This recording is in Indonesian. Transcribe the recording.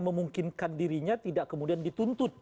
memungkinkan dirinya tidak kemudian dituntut